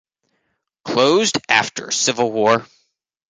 Closed after Civil War.